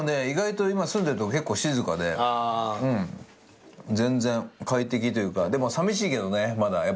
意外と今住んでるとこ結構静かで全然快適というかでもさみしいけどねまだ。